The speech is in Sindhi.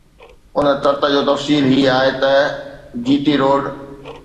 ان تت جو تفصيل هي آهي ته جي ٽي روڊ